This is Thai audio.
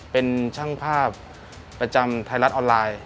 เป็นช่างภาพประจำไทยรัฐออนไลน์